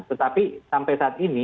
tetapi sampai saat ini